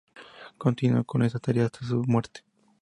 Continuó con esta tarea hasta su muerte.